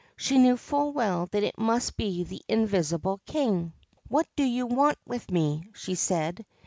She knew full well that it must be the invisible King. ' What do you want with me ?' she said.